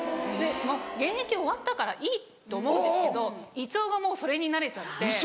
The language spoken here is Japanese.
もう現役終わったからいいと思うんですけど胃腸がもうそれに慣れちゃって。